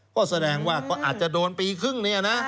ก็แสดงว่าอาจจะโดนปีครึ่ง